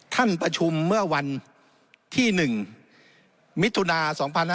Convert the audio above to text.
ท่านประชุมเมื่อวันที่๑มิถุนา๒๕๕๙